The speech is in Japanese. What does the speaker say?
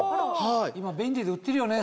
今便利で売ってるよね